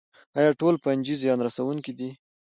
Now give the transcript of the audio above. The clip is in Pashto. ایا ټولې فنجي زیان رسوونکې دي